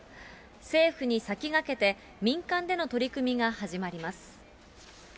政府に先駆けて、民間での取り組みが始まります。